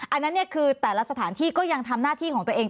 อันนั้นเนี่ยคือแต่ละสถานที่ก็ยังทำหน้าที่ของตัวเอง